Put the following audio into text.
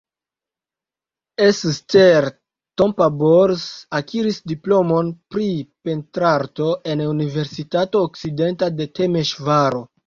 Eszter Tompa-Bors akiris diplomon pri pentrarto en Universitato Okcidenta de Temeŝvaro.